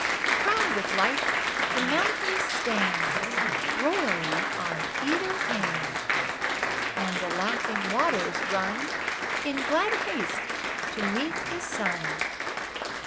52 NIGHT AND MORNING Crowned with light the mountains stand Royally on either hand, And the laughing waters run In glad haste to meet the sun.